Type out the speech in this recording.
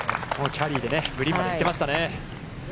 キャリーでグリーンまで行っていましたね。